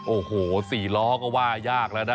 โอ้โห๔ล้อก็ว่ายากแล้วนะ